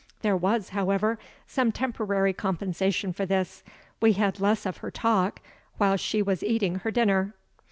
There was, however, some temporary compensation for this. We had less of her talk while she was eating her dinner.